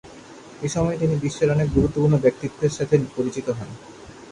এ সময়ে তিনি বিশ্বের অনেক গুরুত্বপূর্ণ ব্যক্তিত্বের সাথে পরিচিত হন।